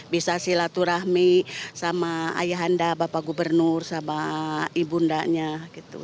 bisa silaturahmi sama ayah anda bapak gubernur sama ibundanya gitu